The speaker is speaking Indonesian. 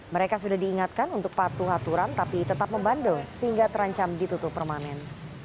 mereka sudah diingatkan untuk patuh aturan tapi tetap membandel sehingga terancam ditutup permanen